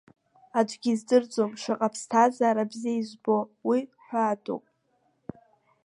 Аӡәгьы издырӡом шаҟа аԥсҭазаара бзиа избо уи ҳәаадоуп.